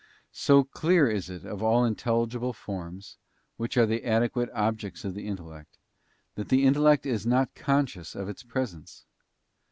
So clear is it of all intelligible forms, which are the adequate objects of the intellect, that the intellect is not conscious of its presence.